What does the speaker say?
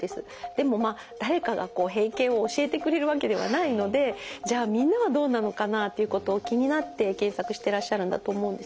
でもまあ誰かがこう閉経を教えてくれるわけではないのでじゃあみんなはどうなのかなっていうことを気になって検索してらっしゃるんだと思うんですよね。